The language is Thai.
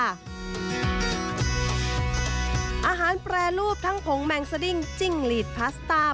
อาหารแปรรูปทั้งผงแมงสดิ้งจิ้งหลีดพาสต้า